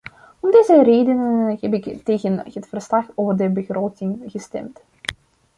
Om deze redenen heb ik tegen het verslag over de begroting gestemd.